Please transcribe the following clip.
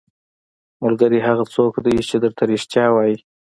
ملګری هغه څوک دی چې درته رښتیا وايي.